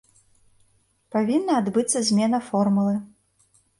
Павінна адбыцца змена формулы.